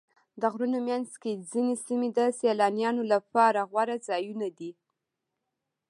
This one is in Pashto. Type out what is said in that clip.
د غرونو منځ کې ځینې سیمې د سیلانیانو لپاره غوره ځایونه دي.